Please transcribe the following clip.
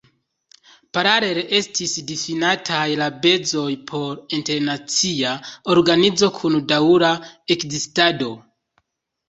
Paralele estis difinitaj la bazoj por internacia organizo, kun daŭra ekzistado.